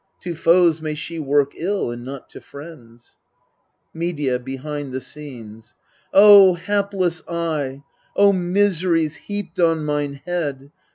To foes may she work ill, and not to friends ! Medea (behind the scenes). O hapless I ! O miseries heaped on mine head